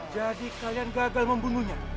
jadi kalian gagal membunuhnya